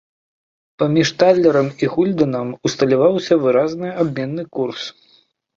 Паміж талерам і гульдэнам усталяваўся выразны абменны курс.